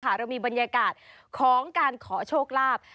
เรามีบรรยากาศของการขอโชคลาภ